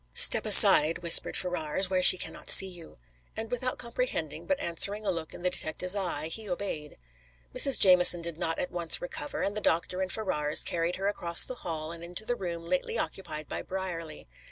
"Step aside," whispered Ferrars, "where she cannot see you." And without comprehending but answering a look in the detective's eye, he obeyed. Mrs. Jamieson did not at once recover, and the doctor and Ferrars carried her across the hall and into the room lately occupied by Brierly.